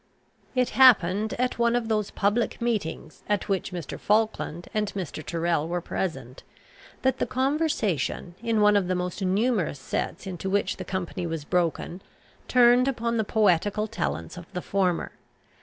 It happened at one of those public meetings at which Mr. Falkland and Mr. Tyrrel were present, that the conversation, in one of the most numerous sets into which the company was broken, turned upon the poetical talents of the former.